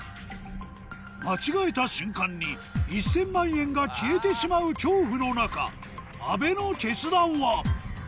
間違えた瞬間に１０００万円が消えてしまう恐怖の中阿部の決断は？